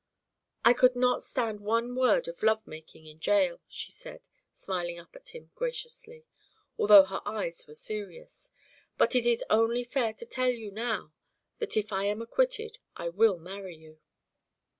"I could not stand one word of love making in jail," she said, smiling up at him graciously, although her eyes were serious. "But it is only fair to tell you now that if I am acquitted I will marry you."